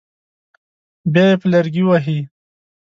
بیا یې په لرګي وهي.